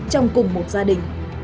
trong cùng một gia đình